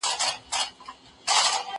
تکړښت د ښوونکي له خوا ښوول کيږي!!